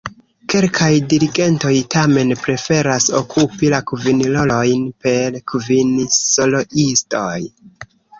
Kelkaj dirigentoj tamen preferas okupi la kvin rolojn per kvin soloistoj.